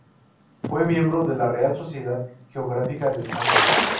Fue miembro de la Real Sociedad Geográfica de España.